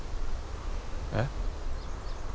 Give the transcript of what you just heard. えっ？